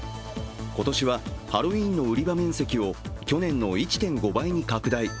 今年はハロウィーンの売り場面積を去年の１．５倍に拡大。